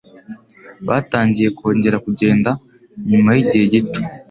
Batangiye kongera kugenda nyuma yigihe gito.